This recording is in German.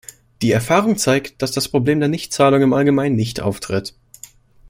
Die Erfahrung zeigt, dass das Problem der Nichtzahlung im Allgemeinen nicht auftritt.